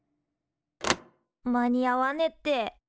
間に合わねって。